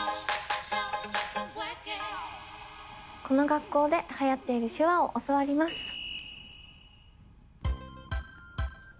この学校ではやっている手話を教わります。